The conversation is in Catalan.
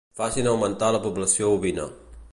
Facin augmentar la població ovina.